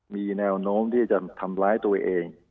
มีแนวโน้มที่จะทำร้ายตัวเอง